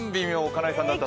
金井さんは？